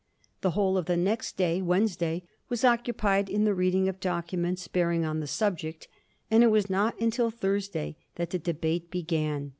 The whole of the next day (Wed nesday) was occupied in the reading of documents bearing on the subject, and it was not until Thursday that the de bate began.